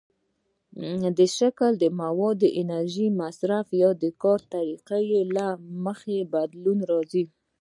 د شکل، موادو، د انرژۍ مصرف، یا د کار طریقې له مخې بدلون راځي.